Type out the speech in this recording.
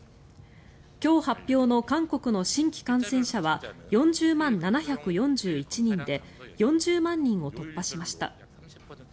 今日発表の韓国の新規感染者は４０万７４１人で４０万人を突破しました。